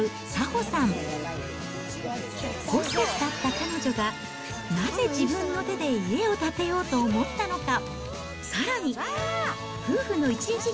ホステスだった彼女が、なぜ自分の手で家を建てようと思ったのか。